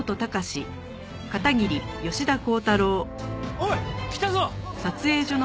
おい来たぞ！